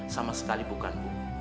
sama sekali bukan bu